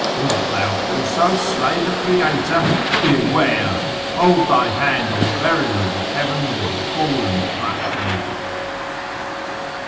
Wilt thou also slay the Creator ? Beware ! Hold thy hand, or verily the heavens will fall and crush thee